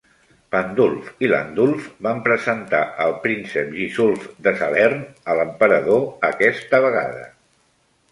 Pandulf i Landulf van presentar el príncep Gisulf de Salern a l'emperador aquesta vegada.